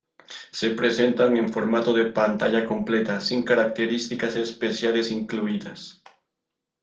Se presentan en formato de pantalla completa sin características especiales incluidas.